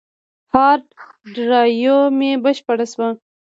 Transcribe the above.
هارد ډرایو مې بشپړ شو.